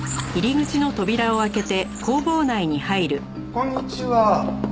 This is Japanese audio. こんにちは。